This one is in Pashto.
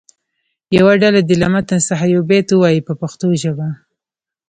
یوه ډله دې له متن څخه یو بیت ووایي په پښتو ژبه.